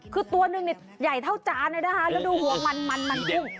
กูจะคงหวังมั่นมันกุ้ง